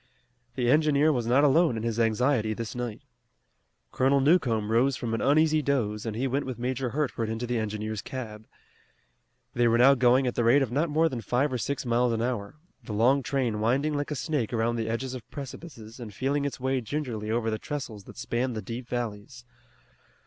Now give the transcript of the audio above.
The engineer was not alone in his anxiety this night. Colonel Newcomb rose from an uneasy doze and he went with Major Hertford into the engineer's cab. They were now going at the rate of not more than five or six miles an hour, the long train winding like a snake around the edges of precipices and feeling its way gingerly over the trestles that spanned the deep valleys.